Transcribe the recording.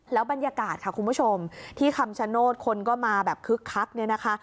แล้วบรรยากาศค่ะคุณผู้ชมที่คำชะโน้ตคนก็มาแบบคึกคัก